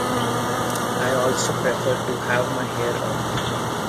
I also prefer to have my hair up.